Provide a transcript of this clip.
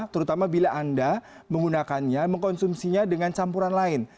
terutama bila anda menggunakannya mengkonsumsinya dengan campuran lain